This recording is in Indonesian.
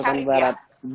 bang syarif ya